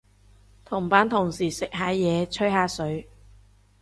同班同事食下嘢，吹下水